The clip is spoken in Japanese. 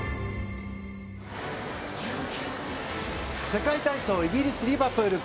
世界体操イギリス・リバプール。